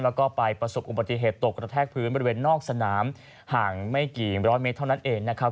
แล้วก็ไปประสบอุบัติเหตุตกกระแทกพื้นบริเวณนอกสนามห่างไม่กี่ร้อยเมตรเท่านั้นเองนะครับ